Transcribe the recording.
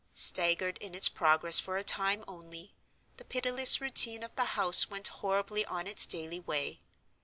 Staggered in its progress for a time only, the pitiless routine of the house went horribly on its daily way.